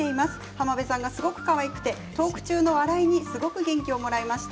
浜辺さんがすごくかわいくてトーク中の笑いにすごく元気をもらいました。